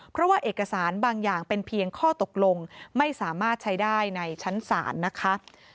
เพราะว่าเอกสารบางอย่างเป็นเพียงข้อตกลงไม่สามารถใช้ได้ในชั้นศาลนะคะ